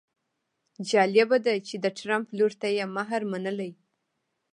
جالبه ده چې د ټرمپ لور ته یې مهر منلی.